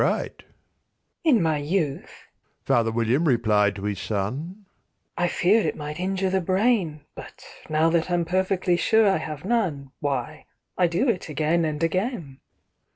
"In my youth," Father William replied to his son, "I feared it might injure the brain; But, now that I'm perfectly sure I have none, Why, I do it again and again."